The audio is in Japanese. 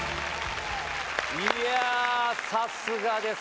いやさすがです。